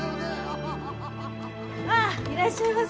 ああいらっしゃいませ！